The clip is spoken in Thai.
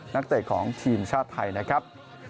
นักเตะของทีมชาติไทยนะครับ